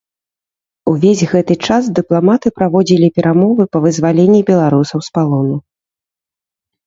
Увесь гэты час дыпламаты праводзілі перамовы па вызваленні беларусаў з палону.